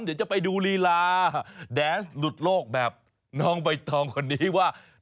เดี๋ยวจะไปดูลีลาแดนส์หลุดโลกแบบน้องใบตองคนนี้ว่า